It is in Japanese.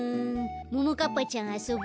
ももかっぱちゃんあそぼ。